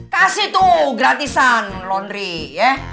kasih tuh gratisan laundry ya